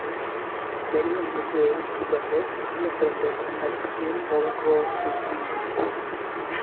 Many of the graves were left unattended and became overgrown with weeds.